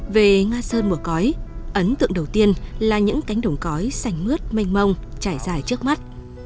về nga sơn mùa cói ấn tượng đầu tiên là những cánh đồng cói xanh mướt mênh mông trải dài trước mắt